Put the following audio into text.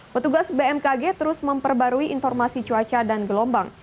petugas bmkg terus memperbarui informasi cuaca dan gelombang